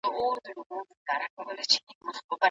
حق به څرګند سي.